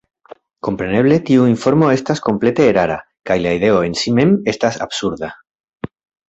Kompreneble tiu informo estas komplete erara, kaj la ideo en si mem estas absurda.